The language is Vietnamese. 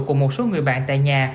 cùng một số người bạn tại nhà